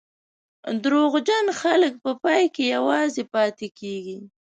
دروغجن خلک په پای کې یوازې پاتې کېږي.